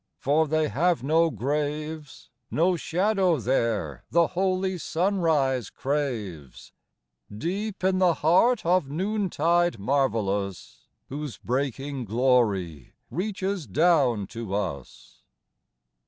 For they have no graves ; No shadow there the holy sunrise craves, Deep in the heart of noontide marvellous, Whose breaking glory reaches clown to us.